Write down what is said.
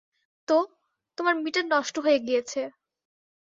তো, তোমার মিটার নষ্ট হয়ে গিয়েছে।